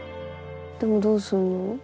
でもどうすんの？